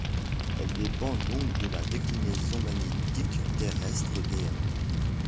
Elle dépend donc de la déclinaison magnétique terrestre Dm.